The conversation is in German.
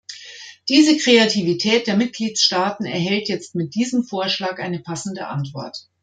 Diese Kreativität der Mitgliedstaaten erhält jetzt mit diesem Vorschlag eine passende Antwort.